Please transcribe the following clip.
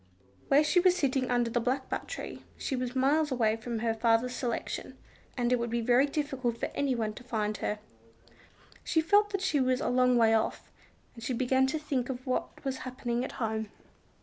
Where she was sitting under the blackbutt tree, she was miles away from her father's selection, and it would be very difficult for anyone to find her. She felt that she was a long way off, and she began to think of what was happening at home.